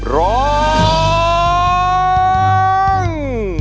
ร้อง